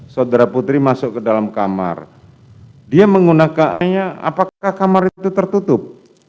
saudara putri masuk ke dalam kamar dia menggunakannya apakah kamar itu tertutup